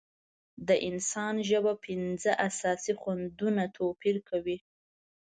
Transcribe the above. د انسان ژبه پنځه اساسي خوندونه توپیر کوي.